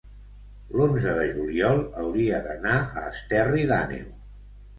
l'onze de juliol hauria d'anar a Esterri d'Àneu.